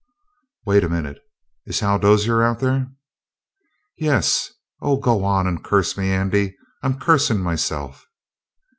"Wait a minute. Is Hal Dozier out there?" "Yes. Oh, go on and curse me, Andy. I'm cursin' myself!"